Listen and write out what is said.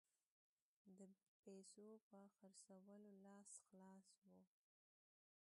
د پیسو په خرڅولو لاس خلاص وو.